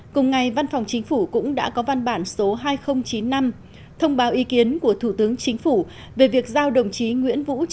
cùng ngày văn phòng chính phủ cũng đã có văn bản số hai nghìn chín mươi năm thông báo ý kiến của thủ tướng chính phủ về việc giao đồng chí nguyễn vũ